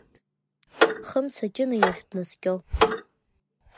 Хымца Ҷына иахь днаскьо.